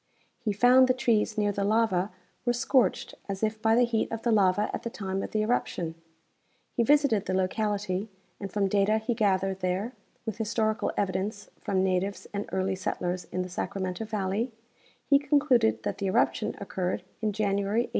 He found the trees near the lava were scorched as if by the heat of the lava at the time of the eruption. He visited the locality, C93) 94 J. S. Dlller — Our Youngest Volcano. and from data he gathered there, with historical evidence from natives and earl}^ settlers in the Sacramento valley, he concluded that the eruption occurred in January, 1850.